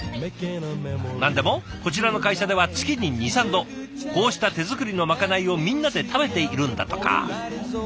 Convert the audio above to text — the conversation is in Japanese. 何でもこちらの会社では月に２３度こうした手作りのまかないをみんなで食べているんだとか。